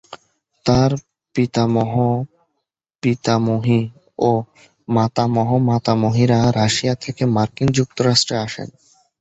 তার পিতামহ-পিতামহী ও মাতামহ-মাতামহীরা রাশিয়া থেকে মার্কিন যুক্তরাষ্ট্রে আসেন।